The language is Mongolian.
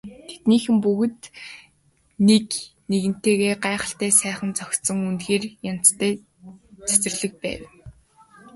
Тэндхийн юм бүгд нэг нэгэнтэйгээ гайхалтай сайхан зохицсон үнэхээр янзтай цэцэрлэг байв.